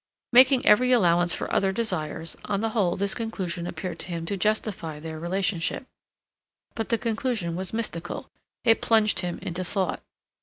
Making every allowance for other desires, on the whole this conclusion appeared to him to justify their relationship. But the conclusion was mystical; it plunged him into thought.